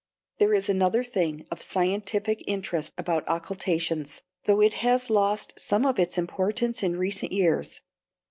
There is another thing of scientific interest about occultations, though it has lost some of its importance in recent years.